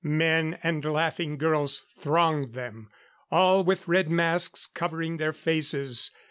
Men and laughing girls thronged them. All with red masks covering their faces.